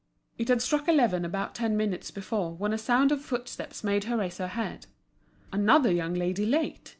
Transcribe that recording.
It had struck eleven about ten minutes before when a sound of footsteps made her raise her head. Another young lady late!